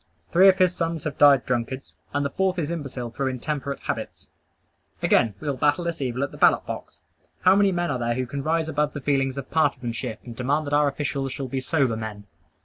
Three of his sons have died drunkards; and the fourth is imbecile through intemperate habits. Again, we will battle this evil at the ballot box. How many men are there who can rise above the feelings of partisanship, and demand that our officials shall be sober men?